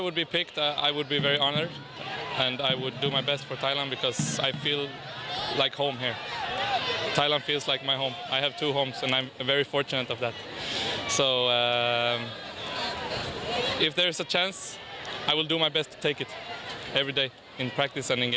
ทุกที่วันผมได้เล่นทางและทหารพูดเสนอของผมก็ได้เล่นทาง